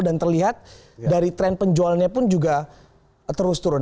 dan terlihat dari tren penjualannya pun juga terus turun